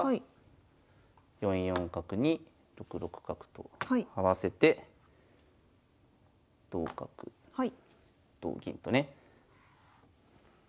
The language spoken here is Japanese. ４四角に６六角と合わせて同角同銀とね。